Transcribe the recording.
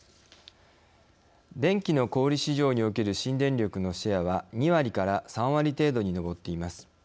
電気の小売市場における新電力のシェアは２割から３割程度に上っています。